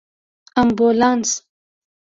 🚑 امبولانس